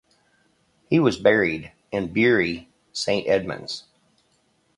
He was buried in Bury Saint Edmunds.